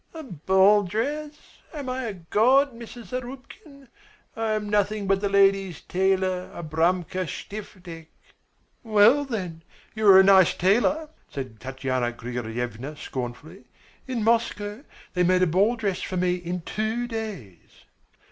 A ball dress? Am I a god, Mrs. Zarubkin? I am nothing but the ladies' tailor, Abramka Stiftik." "Well, then you are a nice tailor!" said Tatyana Grigoryevna, scornfully. "In Moscow they made a ball dress for me in two days."